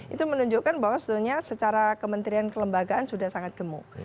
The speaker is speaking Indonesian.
itu menunjukkan bahwa sebetulnya secara kementerian kelembagaan sudah sangat gemuk